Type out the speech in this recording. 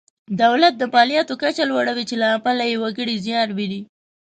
دولت د مالیاتو کچه لوړوي چې له امله یې وګړي زیان ویني.